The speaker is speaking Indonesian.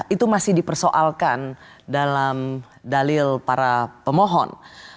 itu masih dipersoalkan dalam dalil para pemohon